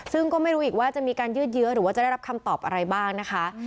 ซึ่งก็ไม่รู้อีกว่าจะมีการยืดเยื้อหรือว่าจะได้รับคำตอบอะไรบ้างนะคะ